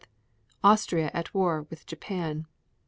Austria at war with Japan.